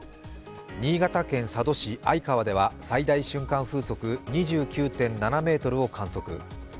新潟県佐渡市相川では最大瞬間風速２７ｍを観測。